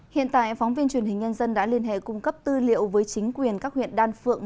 hiện tại phóng viên truyền hình nhân dân đã liên hệ cung cấp tư liệu với chính quyền các huyện đan phượng